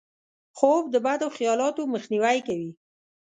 خوب د بدو خیالاتو مخنیوی کوي